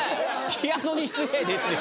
ピアノに失礼ですよ。